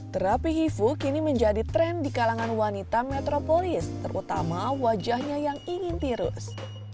terapi hifu kini menjadi tren di kalangan wanita metropolis terutama wajahnya yang ingin tirus